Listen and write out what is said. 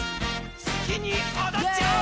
すきにおどっちゃおう！